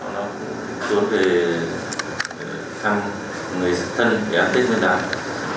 nó cũng trốn về thăm người thân kẻ tết nguyên đảng